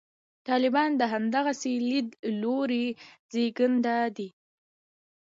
طالبان د همدغسې لیدلوري زېږنده دي.